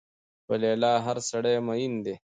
په لیلا هر سړی مين دی